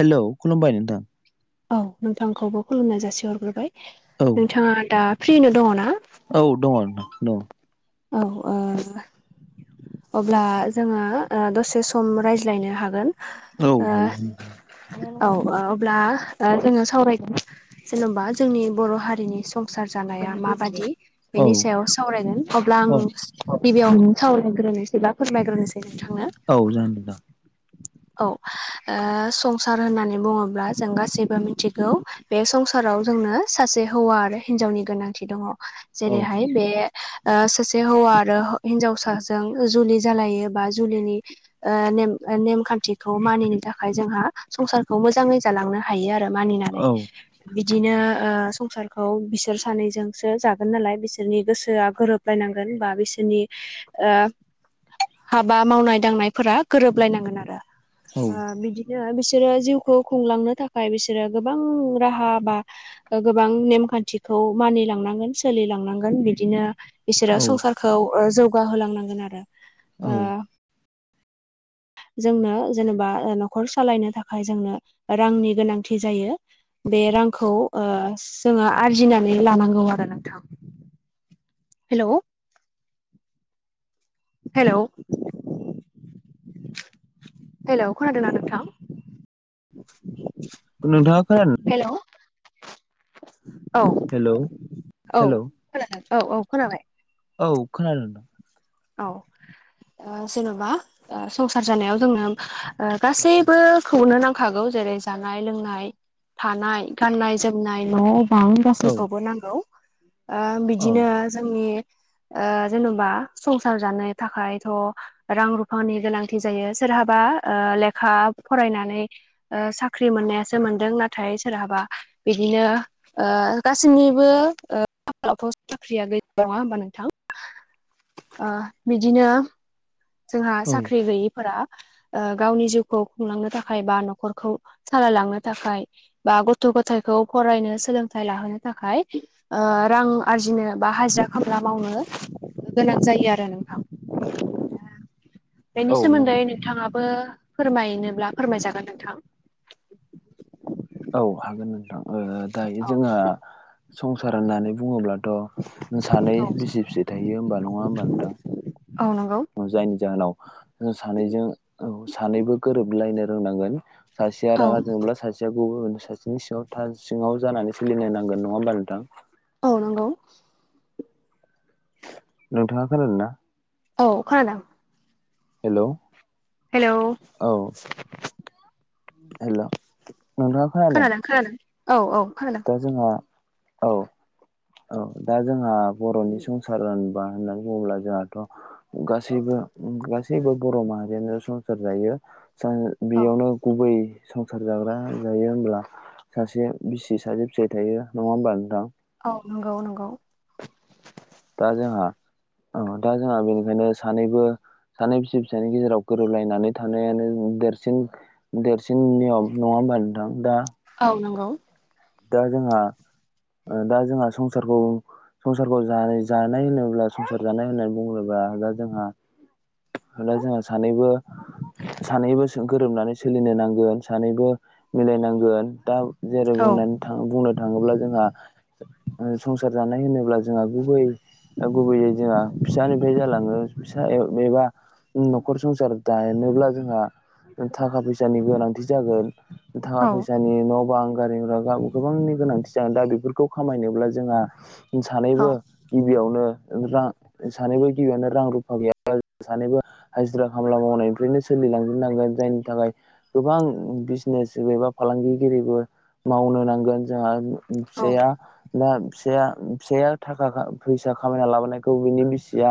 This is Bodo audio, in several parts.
हेल' खुलुमबाय नोंथां। औ नोंथांखौबो खुलुमनाय जासि हरग्रोबाय। औ। नोंथाङा दा फ्रिनो दङ ना? औ दङ आरो दङ। औ। अब्ला जोङो दसे सम रायज्लायनो हागोन। औ हायो औ अब्ला। जोङो सावरायगोन जेन'बा जोंनि बर' हारिनि सम संसार जानाया माबादि औ बेनि सायाव सावरायगोन अब्ला आं औ गिबियावनो खावलायग्रोनोसै बा फोरमायग्रोनोसै नोंथांनो। औ जागोन नोंथां। औ ओ संसार होननानै बुङोब्ला जों गासैबो मिथिगौ बे संसाराव जोंनो सासे हौवा आरो हिनजावनि गोनांथि दङ औ जेरैहाय बे सासे हौवा आरो हिन्जावसाजों जुलि जालायो बा जुलिनि ओ नेम खान्थि थिखौ मानिनो थाखाय जोंहा संसारखौ मोजाङै जालांनो हायो आरो मानिनानै। बिदिनो ओ संसारखौ बिसोर सानैजोंसो जागोन नालाय बिसोरनि गोसोया गोरोब बायनांगोन बा बिसोरनि ओ हाबा मावनाय दांनायफोरा गोरोबलायनांगोन आरो। औ ओ बिदिनो बिसोरो जिउखौ खुंलांनो थाखाय बिसोरो गोबां राहा बा गोबां नेमखान्थिखौ मानिलांनांगोन सोलिलांनांगोन बिदिनो बिसोरो औ संसारखौ जौगाहोलांनांगोन आरो औ ओ जोंनो जेनेबा न'खर सालायनो थाखाय जोंनो रांनि गोनांथि जायो। बे रांखौ ओ जोङो आरजिनानै लानांगौ आरो नोंथां। हेल' हेल' हेल' खोनादों ना नोंथां? [unintelligible] नोंथाङा खोना हेल' औ हेलौ औ हेलौ खोनादों औ औ खोनाबाय। औ खोनादों। औ जेन'बा संसार जानायाव जोंनो गासैबो खौनो नांखागौ जेरै जानाय लोंनाय थानाय गाननाय जोमनाय न' बां नोंथां औ गासैखौबो नांगौ। ओ औ बिदिनो जोंनि जेन'बा संसार जानो थाखायथ' रां रुफानि गोनांथि जायो सोरहाबा ओ लेखा फरायनानै ओ साख्रि मोननायासो मोनदों नाथाय सोरहाबा बिदिनो ओ गासैनिबो खाफालाव साख्रिया गैया नङा होमबा नोंथां। ओ बिदिनो जोंहा औ साख्रि गैयि फोरा गावनि जिउखौ खुंलांनो थाखाय बा न'खरखौ सालायलांनो थाखाय बा गथ' गथायखौ फरायनो सोलोंथाइ लाहोनो थाखाय ओ रां आरजिनो बा हाजिरा खामला मावनो गोनां जायो आरो नोंथां औ बेनि नंगौ सोमोन्दै नोंथाङाबो फोरमायनोब्ला फोरमायजागोन नोंथां। औ हागोन नोंथां दायो औ जोंहा संसार होननानै बुङोब्लाथ' सानै औ बिसि फिसाय थायो होमबा नङा होमबा नोंथां। औ नंगौ। जायनि जाहोनाव सानैजों सानैबो गोरोबलायनो रोंनांगोन। सासेया औ रङा जब्ला सासे गुबुन सासेनि सिङाव था सिङाव जानानै सोलिनो नांगोन नङा होमबा नोंथां। औ नंगौ। नोंथाङा खोनादोंना? औ खोनादों। हेल' हेल' औ हेल' नोंथाङा खोनादों खोनादों औ औ खोनादों। दा जोंहा औ औ दा जोंहा बर'नि संसार होनबा होननानै बुङोब्ला जोंहाथ' गासैबो गासैबो बर' माहारियानो संसार जायो औ बेयावनो गुबै संसार जाग्रा जायो होनब्ला सासे बिसि सासे फिसाइ थायो नंङा होमबा नोंथां? औ नंगौ नंगौ ‌ दा जोंहा औ दा जोंहा बेनिखायनो सानैबो सानै फिसि फिसानि गेजेराव गोरोबलायनानै थानायानो देरसिन देरसिन नियम नङा होनोमबा नोंथां दा औ नंगौ। दा जोंहा दा जोंहा संसारखौ संसारखौ जानाय जानाय होनोब्ला संसार जानाय होननानै बुङोबोबा दा जोंहा होनब्ला जोंहा सानैबो सानैबो गोरोबनानै सोलिनो नांगोन सानैबो मिलायनांगोन दा जेरै औ बुंनानै थ बुंनो थाङोब्ला जोंहा ओ संसार जानाय होनोब्ला जोंहा गुबै गुबैयै जोंहा फिसानिफ्राय जालाङो फिसा एबा न'खर संसार दानोब्ला जोंहा थाखा फैसानि गोनांथि जागोन। थाखा औ फैसानि न'बा आं गारि गोरा गा गोबांनि गोनांथि जागोन दा बेफोरखौ खामायनोब्ला जोंहा सानैबो औ गिबियावनोां सानैबो गिबियावनो रां रुफा गैयाब्ला सानैबो हाजिरा खामला मावनायनिफ्रायनो सोलिलांजेननांगोन जायनि थाखाय गोबां बिजनेस एबा फालांगिगिरिबो मावनो नांगो औ [unintelligible] दा फिसाया फिसाया थाखा फैसा खामायना लाबोनायखौ बिनि बिसिया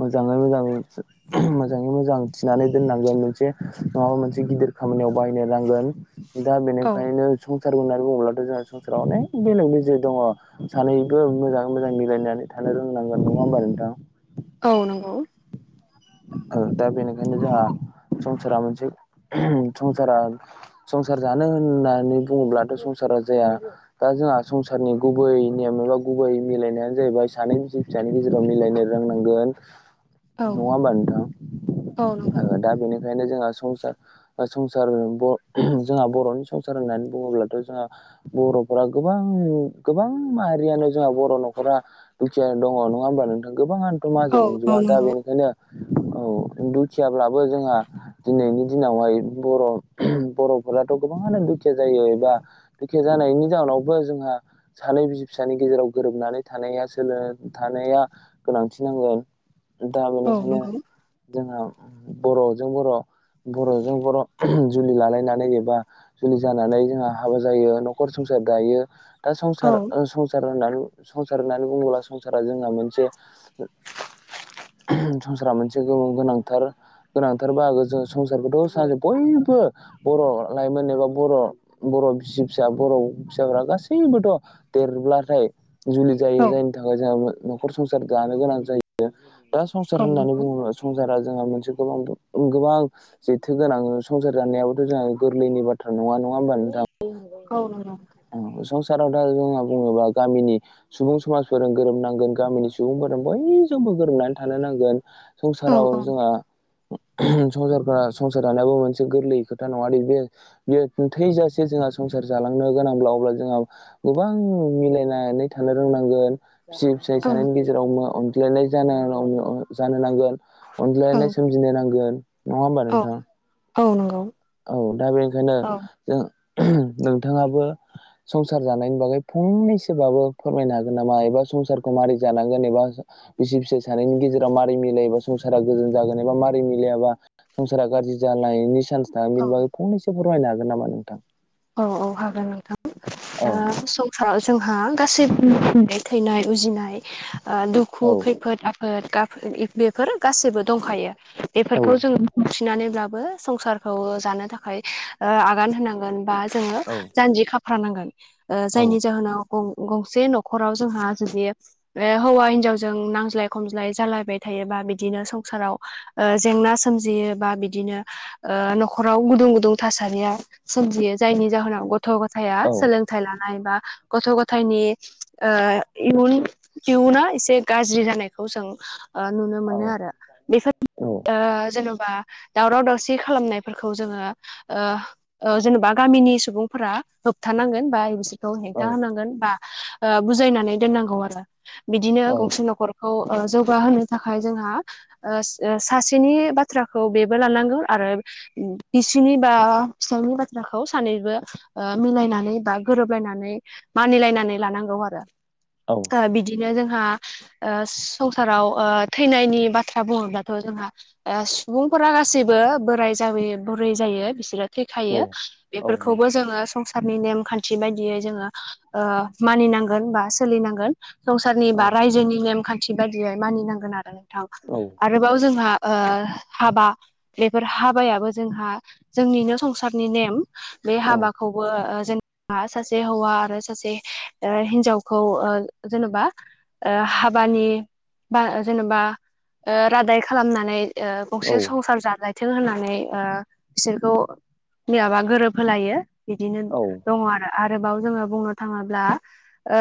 मोजाङै मोजां मोजाङै मोजां थिनानै दोननांगोन मोनसे नङाबा मोनसे गिदिर खामानियाव बाहायनो नांगोन। दा औ बेनिखायनो संसार होननानै बुङोब्लाथ' जोंहा संसाराव अनेक बेलेग बेजेग दङ। सानैबो मोजांङै मोजां मिलायनानै थानो रोंनांगोन नंङा होमबा नोंथां? औ नंगौ। दा बेनिखायनो जोंहा संसारा मोनसे संसारा संसार जानो होननानै बुङोब्लाथ' संसारा जाया। दा जोंहा संसारनि गुबै नेयम एबा गुबै मिलायनायानो जाहैबाय सानै फिसानि गेजेराव मिलायनो रोंनांगोन। औ नङा होमबा औ नंगौ नोंथां दा बेनिखायनो जोंहा संसार संसार जोंहा बर'नि संसार होननानै बुङोब्लाथ' जोंहा बर'फोरा गोबां गोबां माहारियानो जोंहा बर' न'खरा दुखियानो दंङो नङा होमबा नोंथां गोबांङानो औ माहाजोन औ नंजोबा। नंगौ बेखायनो औ दुखियाब्लाबो जोंहा दिनैनि दिनावहाय बर' बर'फोराथ' गोबांङानो दुखिया जायो एबा बेखे जानायनि जाउनावबो जोंहा सानै बिसि फिसानि गेजेराव गोरोबनानै थानाया स थानाया गोनांथि नांगोन। दा औ बेनिखायनो नंगौ जोंहा बर'जों बर' बर'जों बर' जुलि लालायनानै एबा जुलि जानानै जोंहा हाबा जायो न'खर संसार दायो। दा औ संसार संसार होननानै संसार होननानै बुंङोब्ला संसारा जोंहा मोनसे संसारा मोनसे गोनांथार गोनांथार बाहागो जों संसारखौथ' ससे बयबो बर' लाइमोन एबा बर' बर' बिसि फिसा बर' फिसाफ्रा गासैबोथ' देरब्लाथाय जुलि जायो औ जायनि थाखाय जोंहा न'खर संसार जानो गोनां जायो दा संसार औ होननानै नंगौ बुङोबा संसारा जोंहा मोनसे गोबां गोबां जेथो गोनां संसार जानायाबोथ' जोंहा गोरलैनि बाथ्रा नङा नङा होमबा नोंथां औ नंगौ संसाराव दा जोंना बुङोबा गामिनि सुबुं समाजफोरजों गोरोबनांगोन गामिनि सुबुंफोरजों जोंबो गोरोबनानै थानो नांगोन औ संसाराव जोंहा संसारफोरा संसार जानायाबो मोनसे गोरलै खोथा नङा आरो बेयो बियो थैजासे जोंहा संसार जालांनो गोनांब्ला अब्ला जोंहा गोबां मिलायनानै थानो रोंनांगोन बिसि फिसाय सानैनि गेजेराव अनज्लायनाय जानो नांगोन औ अनज्लायनाय बुजिनो नांगोन नङा होमबा औ नोंथां औ नंगौ औ दा बेनिखायनो औ जों नोंथाङाबो संसार जानायनि बागै फंनैसोबाबो फोरमायनो हागोन नामा एबा संसारखौ मारै जानांगोन एबा बिसि फिसाय सानैनि गेजेराव मारै मिलायबा संसारा गोजोन जागोन एबा मारै मिलायाबा संसारा गाज्रि जानायनि चान्स थाङो बेनि औ बागै फंनैसो फोरमायनो हागोन नामा नोंथां औ औ हागोन औ नोंथां ओ सं जोंहा गासैबो थैनाय उजिनाय दुखु औ खैफोद आ फोद गाफोद बेफोर गासैबो दंखायो औ बेफोरखौ जों उथिनानैब्लाबो संसारखौ जानो थाखाय ओ आगान होनांगोन बा जोङो औ जानजि खाफ्रा नांगोन औ जायनि जाहोनाव गंसे न'खराव जोंहा जुदि हौवा हिनजावजों नांज्लाय खमज्लाय जालायबाय थायोबा बिदिनो संसाराव जेंना सोमजियो बा बिदिनो ओ न'खराव गुदुं गुदुं थासारिया सोमजियो जायनि जाहोनाव गथ' गथाया औ सोलों थाइ लानाय बा गथ' गथाइनि ओ इयुन इयुना एसे गाज्रि जानायखौ जों ओ नुनो औ मोनो आरो बेफोर औ ओ जेन'बा दावराव दावसि खालामनायफोरखौ जोङो ओ ओ जेनेबा गामिनि सुबुंफोरा होबथानांगोन बा बिसोरखौ औ हेंथा होनांगोन बा ओ बुजायनानै दोननांगौ आरो बिदिनो औ गंसे न'खर खौ जौगाहोनो थाखाय जोंहा ओस ओस सासेनि बाथ्राखौ बेबो लानांगोन आरो बिसिनि बा फिसाइनि बाथ्राखौ सानैबो ओ मिलायनानै बा गोरोबलायनानै मानिलायनानै लानांगौ आरो औ ओ बिदिनो जोंहा ओस संसाराव थैनायनि बाथ्रा बुङोब्लाथ' जोंहा ओस सुबुंफोरा गासैबो बोराय जाबोयो बुरै जायो बिसोरो औ थैखायो बेफोरखौबो जोङो संसारनि नेम खान्थि बायदियै जोङो ओ मानिनांगोन बा सोलिनांगोन संसारनि बा रायजोनि नेमखान्थि बायदियै मानिनांगोन आरो नोंथां औ आरोबाव जोंहा ओ हाबा बेफोर हाबायाबो जोंहा जोंनिनो संसारनि नेम बे औ हाबाखौबो जों बा सासे हौवा आरो सासे ओ हिन्जावखौ ओ जेनेबा ओ हाबानि बा जेन'बा ओ रादाय खालामनानै ओ गंसे संसार जालायथों होननानै बिसोरखौ मिलायबा गोरोब होलायो बिदिनो दङ आरो आरोबाव जोङो बुंनो थाङोब्ला ओ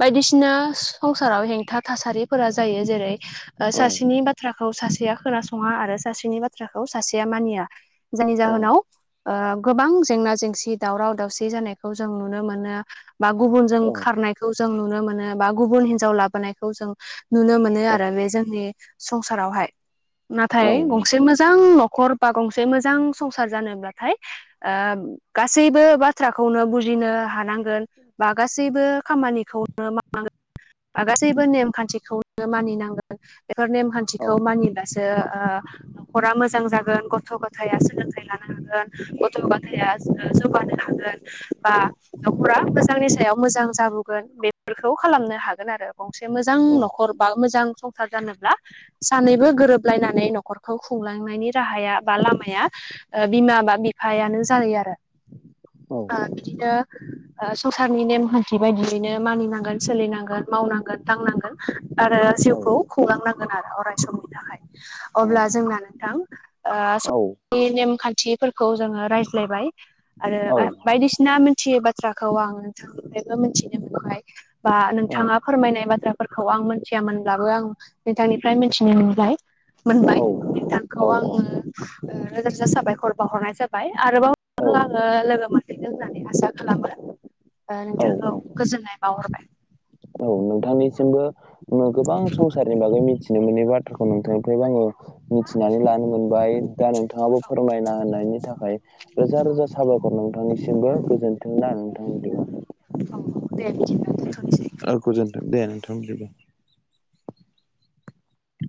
बायदिसिना संसाराव हेंथा थासारिफोरा जायो जेरै औ सासेनि बाथ्राखौ सासेया खोनासङा आरो सासेनि बाथ्राखौ सासेया मानिया। जायनि जाहोनावो ओ गोबां जेंना जेंसि दावराव दावसि जानायखौ जों नुनो मोनो। बा गुबुन जों खारनायखौ जों नुनो मोनो बा गुबुन हिनजाव लाबोनायखौ जों नुनो मोनो आरो बे जोंनि संसारावहाय नाथाय गंसे मोजां न'खर बा गंसे मोजां संसार जानोब्लाथायो गासैबो बाथ्राखौनो बुजिनो हानांगोन बा गासैबो गासैबो खामानिखौनो मावनांगोन। गासैबो नेमखान्थिखौनो मानिनांगोन बेफोर नेमखान्थिखौबो खाथिखौ मानिब्लासो न'खरा मोजां जागोन गथ' गथाया सोलोंथाइ लानो हागोन। गथ' गथाय जौगानो हागोना बा न'खरा मोजांनि सायाव मोजां जाबोगोन बेफोरखौ खालामनो हागोन आरो। गंसे मोजां न'खर बा मोजां संसार जानोब्लाबो सानैबो गोरोबलायनानै न'खरखौ खुंलांनायनि राहाया बा लामाया बिमा बा बिफायानो जायो आरो। औ। बिदिनो संसारनि नेमखान्थि बायदियैनो मानिनांगोन सोलिनांगोन। मावनांगोन दांनांगोन आरो जिउखौ खुंलांनांगोन आरो अराय समनि थाखाय।। अब्ला जोंना औ नोंथांनि नेमखान्थि फोर जोङो रायज्लायबाय औ आरो बायदिसिना मिथियै बाथ बाथाराखौ आं नोंथांनिफ्रायबो मिथिनो मोनबाय बा औ नोंथाङा फोरमायनाय बाथ्रा फोरखौ आं मिथियामोनब्लाबो आं नोंथांनिफ्राय मिथिनाय मोनबाय। मोनबाय औ बिथांखौ आङो रोजा रोजा साबायखर बावहरनाय जाबाय आरोबाव। औ आङो लोगो मोनफिनगोन होननानै आसा खालामो औ नोंथांखौ। गोजोननाय बावहरबाय। औ नोंथांनिसिमबो गोबां संसारनि बागै मिथिनो मोनै बाथ्राखौ नोंथांनिफ्रायबो आङो मिथिनानै लानो मोनबाय दा नोंथाङाबो फोरमायना होननायनि थाखायो रोजा रोजा साबायखर नोंथांनिसिमबो गोजोन्थों ना नोंथांनि सिम [unintelligible] आरो गोजोन्थों दे नोंथां बिदिब्ला।